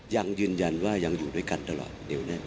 ยังยืนยันว่ายังอยู่ด้วยกันตลอด